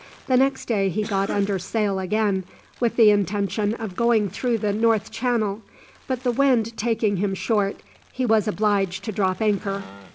The next day he got under sail again, with the intention of going through the north channel, but the wind taking him short, he was obliged to drop anchor.